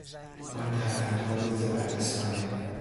آن ترفندهای زبردستانه!